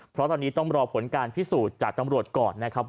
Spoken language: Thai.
เพราะตอนนี้ต้องรอผลการพิสูจน์จากตำรวจก่อนนะครับ